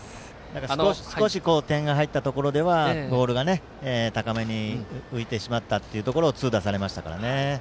少し点が入ったところではボールが高めに浮いてしまったというところを痛打されましたからね。